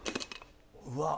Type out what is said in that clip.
うわっ！